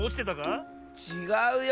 ちがうよ。